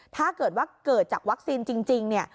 ถ้าเกิดว่าเกิดจากวัคซีนจริงเนี่ย